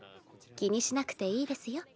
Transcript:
気にしなくていいですよ。